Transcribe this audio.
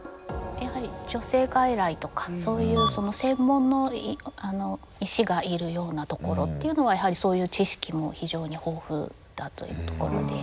やはり女性外来とかそういう専門の医師がいるようなところっていうのはそういう知識も非常に豊富だというところで。